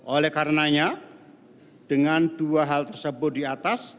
oleh karenanya dengan dua hal tersebut di atas